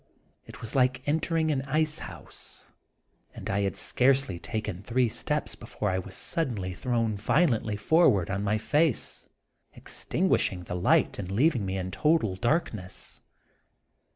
It was like entering an ice house, and I had scarcely taken three steps before I was suddenly thrown violently forward on my face, extinguishing the light and leaving me in total darkness.